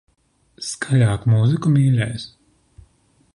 Skaļāk mūziku, mīļais.